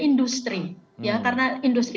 industri ya karena industri